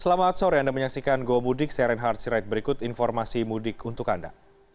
selamat sore anda menyaksikan go mudik saya reinhard sirait berikut informasi mudik untuk anda